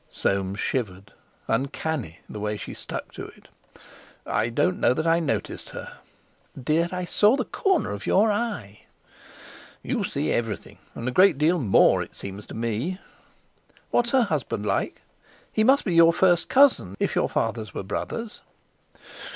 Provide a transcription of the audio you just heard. Soames shivered. Uncanny, the way she stuck to it! "I don't know that I noticed her." "Dear, I saw the corner of your eye." "You see everything—and a great deal more, it seems to me!" "What's her husband like? He must be your first cousin, if your fathers were brothers."